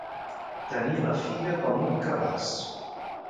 Tenir la figa com un cabàs.